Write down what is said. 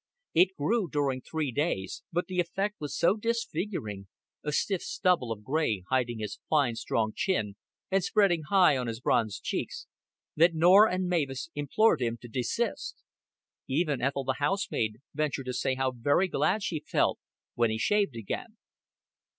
It grew during three days; but the effect was so disfiguring a stiff stubble of gray, hiding his fine strong chin, and spreading high on his bronzed cheeks that Norah and Mavis implored him to desist. Even Ethel the housemaid ventured to say how very glad she felt when he shaved again.